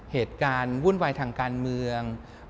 เหตุการณ์วุ่นวายทางการเมือง